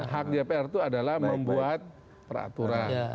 hak dpr itu adalah membuat peraturan